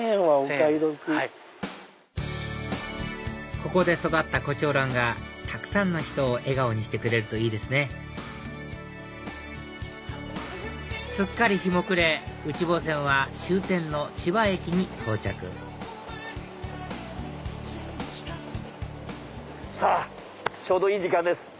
ここで育ったコチョウランがたくさんの人を笑顔にしてくれるといいですねすっかり日も暮れ内房線は終点の千葉駅に到着さぁちょうどいい時間です。